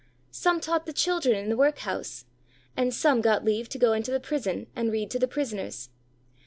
Some taught the children in the workhouse, and some got leave to go into the prison and read to the prisoners.